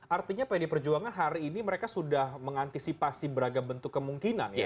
artinya pd perjuangan hari ini mereka sudah mengantisipasi beragam bentuk kemungkinan ya